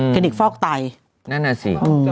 คลินิกฟอกไตนั่นอ่าสิ